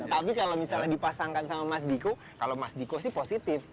tapi kalau misalnya dipasangkan sama mas diko kalau mas diko sih positif